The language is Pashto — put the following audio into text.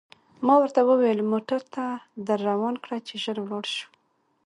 ما ورته وویل: موټر ته در روان کړه، چې ژر ولاړ شو.